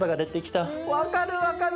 分かる分かる。